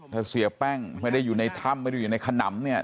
ถ้าเสียแป้งไม่ได้อยู่ในถ้ำไม่ได้อยู่ในขนำเนี่ย